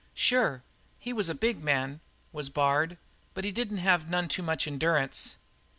"Sure. He was a big man, was Bard, but he didn't have none too much endurance."